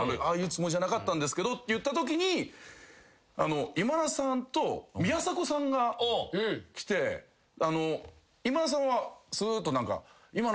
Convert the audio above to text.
ああいうつもりじゃなかったんですがって言ったときに今田さんと宮迫さんが来て今田さんはすーっと。